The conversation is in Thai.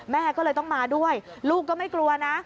แม่ก็เลยต้องมาด้วยลูกก็ไม่กลัวนะ